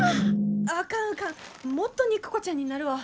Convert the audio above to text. あかんあかんもっと肉子ちゃんになるわ。